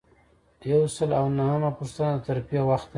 یو سل او نهمه پوښتنه د ترفیع وخت دی.